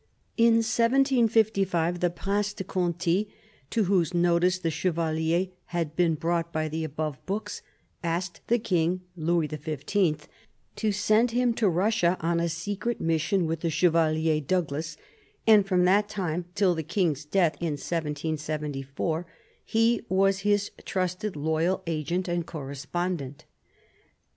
[Illustration: THE CHEVALIER D'EON] In 1755 the Prince de Conti, to whose notice the Chevalier had been brought by the above books, asked the king (Louis XV) to send him to Russia on a secret mission with the Chevalier Douglas; and from that time till the king's death in 1774 he was his trusted, loyal agent and correspondent.